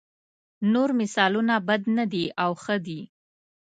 نور مثالونه بد نه دي او ښه دي.